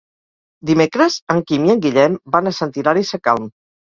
Dimecres en Quim i en Guillem van a Sant Hilari Sacalm.